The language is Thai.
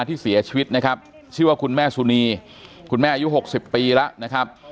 ที่เสียชีวิตนะครับชื่อว่าคุณแม่สุนีคุณแม่อายุ๖๐ปีแล้วนะครับ